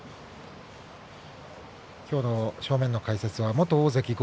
きょうの正面の解説は元大関豪